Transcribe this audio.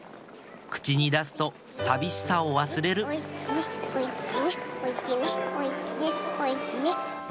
口に出すと寂しさを忘れるおいっちにおいっちにおいっちにおいっちに。